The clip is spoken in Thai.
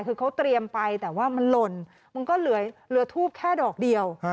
คือเขาเตรียมไปแต่ว่ามันหล่นมันก็เหลือทูบแค่ดอกเดียว